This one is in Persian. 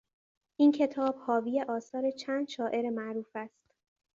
این کتاب حاوی آثار چند شاعر معروف است.